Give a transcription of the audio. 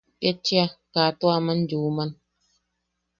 Ketchia ka tua aman yuman.